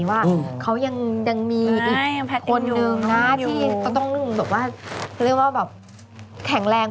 ว่าเขายังมีอีกคนหนึ่งที่ต้องแข็งแรง